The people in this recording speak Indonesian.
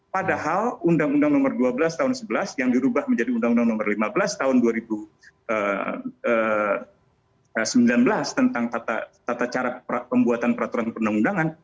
padahal undang undang nomor dua belas tahun sebelas yang dirubah menjadi undang undang nomor lima belas tahun dua ribu sembilan belas tentang tata cara pembuatan peraturan perundang undangan